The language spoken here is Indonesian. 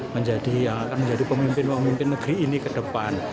menjadi pemimpin pemimpin negeri ini ke depan